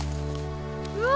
うわ！